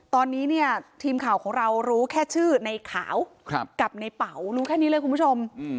ตอนนี้เนี่ยทีมข่าวของเรารู้แค่ชื่อในขาวกับในเป๋ารู้แค่นี้เลยคุณผู้ชม